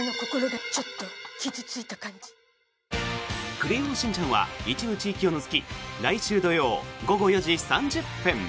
「クレヨンしんちゃん」は一部地域を除き来週土曜午後４時３０分。